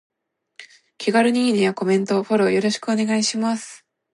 気軽にいいねやコメント、フォローよろしくお願いします。